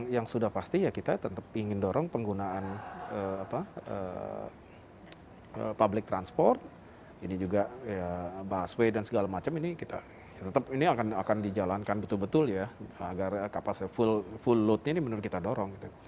yang sudah pasti ya kita tetap ingin dorong penggunaan public transport ini juga busway dan segala macam ini kita tetap ini akan dijalankan betul betul ya agar kapasitas full loadnya ini benar kita dorong